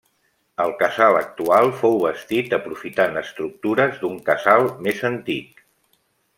El casal actual fou bastit aprofitant estructures d'un casal més antic.